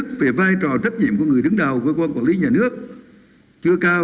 rồi cái nhận thức về vai trò trách nhiệm của người đứng đầu cơ quan quản lý nhà nước chưa cao